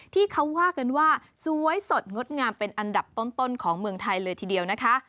ที่เขาว่ากันว่าสวยสดงดงามเป็นอันดับต้นของเมืองไทยเลยทีเดียวนะคะ